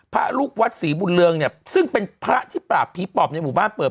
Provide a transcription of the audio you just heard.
พระลูกวัดศรีบุญเรืองเนี่ยซึ่งเป็นพระที่ปราบผีปอบในหมู่บ้านเปิด